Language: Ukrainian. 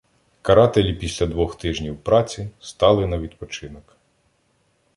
Карателі після двох тижнів "праці" стали на відпочинок.